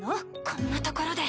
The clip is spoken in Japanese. こんな所で。